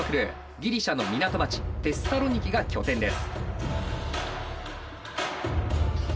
ギリシャの港町テッサロニキが拠点です。